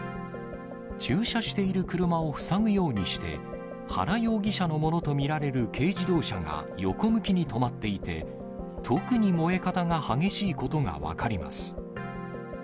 駐車している車を塞ぐようにして、原容疑者のものと見られる軽自動車が横向きに止まっていて、特に燃え方が激しいことが分かります。